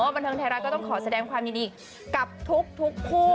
บันเทิงไทยรัฐก็ต้องขอแสดงความยินดีกับทุกคู่